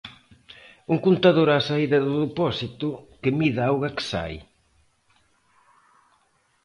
Un contador á saída do depósito que mide a auga que sae.